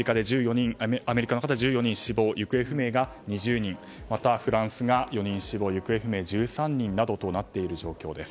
アメリカで１４人死亡行方不明が２０人またフランスが４人死亡行方不明１３人という状況です。